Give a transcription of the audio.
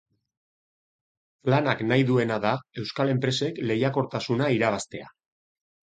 Planak nahi duena da euskal enpresek lehikortasuna irabaztea.